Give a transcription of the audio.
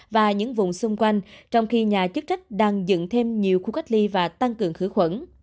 và những vùng xung quanh trong khi nhà chức trách đang dựng thêm nhiều khu cách ly và tăng cường khử khuẩn